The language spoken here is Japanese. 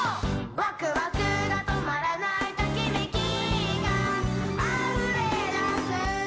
「わくわくがとまらない」「ときめきがあふれだす」